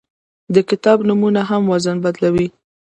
د کتاب نومونه هم وزن بدلوي.